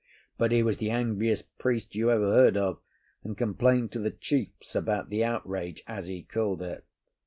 But he was the angriest priest you ever heard of, and complained to the chiefs about the outrage, as he called it.